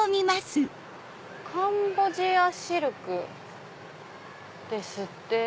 「カンボジアシルク」ですって。